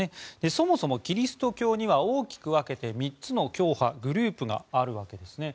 そもそもキリスト教には大きく分けて３つの教派グループがあるんですね。